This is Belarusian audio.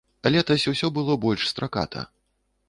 Летась усё было больш страката.